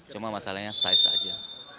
cuma masalahnya size aja